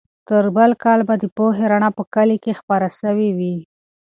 تر بل کال به د پوهې رڼا په کلي کې خپره سوې وي.